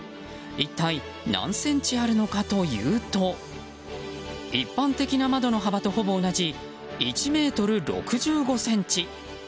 一体何センチあるのかというと一般的な窓の幅とほぼ同じ１ｍ６５ｃｍ。